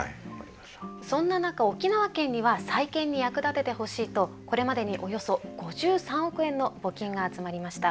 そんな中沖縄県には再建に役立ててほしいとこれまでにおよそ５３億円の募金が集まりました。